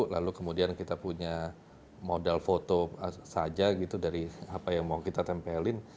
lalu kemudian kita punya modal foto saja gitu dari apa yang mau kita tempelin